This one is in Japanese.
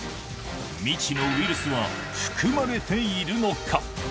未知のウイルスは含まれているのか。